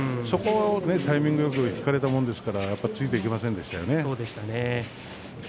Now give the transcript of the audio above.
そこをタイミングよく引かれたもんですから突いていけませんでしたね。